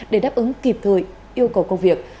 để đáp ứng kịp thời yêu cầu công việc